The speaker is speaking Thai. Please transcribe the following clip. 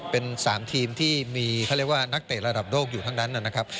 เป็น๓ทีมที่มีนักเตะระดับโดกอยู่ทั้งนั้นนะครับ